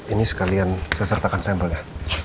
ini sekalian saya sertakan sampelnya